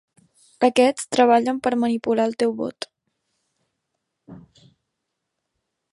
Aquests treballen per manipular el teu vot.